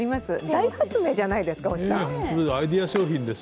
大発明じゃないですか。